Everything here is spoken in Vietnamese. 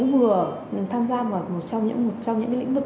vừa tham gia vào một trong những lĩnh vực